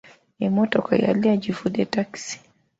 Emmottka yali agifudde takisi.